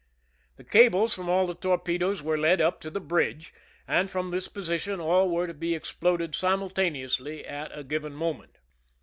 The cables from all the torpedoes were led up to the bridge, and from this position all were to be exploded simultaneously at a given moment.